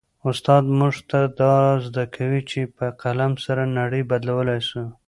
استاد موږ ته را زده کوي چي په قلم سره نړۍ بدلولای سي.